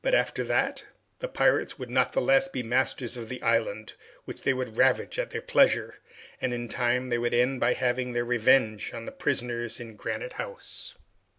But after that? The pirates would not the less be masters of the island, which they would ravage at their pleasure, and in time, they would end by having their revenge on the prisoners in Granite House.